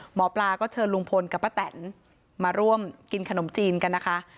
หมอปลาก็เชิญลุงพลกับป้าแตนมาร่วมกินขนมจีนกันนะคะ